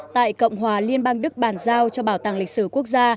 tại cộng hòa liên bang đức bàn giao cho bảo tàng lịch sử quốc gia